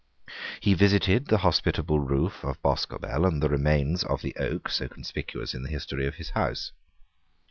He visited the hospitable roof of Boscobel and the remains of the oak so conspicuous in the history of his house.